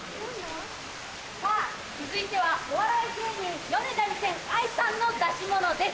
さぁ続いてはお笑い芸人「ヨネダ２０００」愛さんの出し物です。